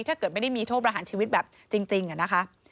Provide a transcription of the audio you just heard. ถ้าเกิดไม่ได้มีโทษประหารชีวิตแบบจริงอะนะคะ